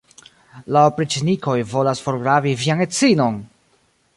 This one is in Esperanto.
La opriĉnikoj volas forrabi vian edzinon!